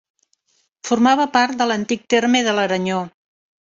Formava part de l'antic terme de l'Aranyó.